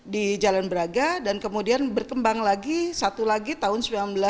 di jalan braga dan kemudian berkembang lagi satu lagi tahun seribu sembilan ratus dua puluh sembilan